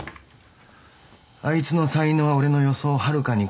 あいつの才能は俺の予想をはるかに超えた。